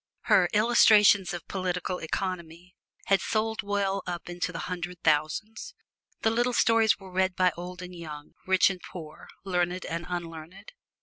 Her "Illustrations of Political Economy" had sold well up into the hundred thousands. The little stories were read by old and young, rich and poor, learned and unlearned.